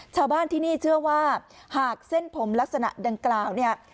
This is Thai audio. ชาวบ้านที่นี่เชื่อว่าหากเส้นผมลักษณะดังกล่าวเนี่ย